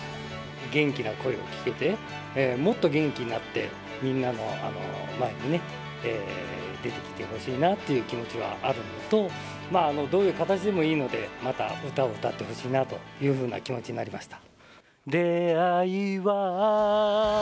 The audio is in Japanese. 元気な声を聞けて、もっと元気になって、みんなの前にね、出てきてほしいなっていう気持ちがあるのと、どういう形でもいいので、また歌を歌ってほしいなというふうな気持ちになりました。